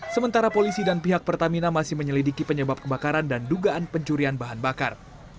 sementara polisi dan pihak pertamina masih menyelidiki penyebab kebakaran dan dugaan pencurian bahan bakar